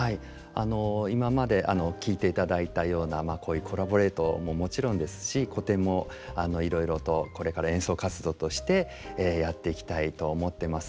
今まで聴いていただいたようなこういうコラボレートももちろんですし古典もいろいろとこれから演奏活動としてやっていきたいと思ってます。